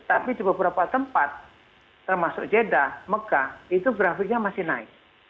tapi di beberapa tempat termasuk jeddah mekah itu grafiknya masih naik